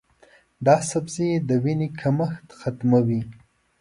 دا سبزی د وینې کمښت ختموي.